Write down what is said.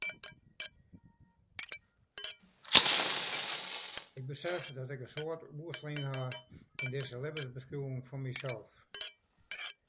Ik besef dat ik in soad oerslein ha yn dizze libbensbeskriuwing fan mysels.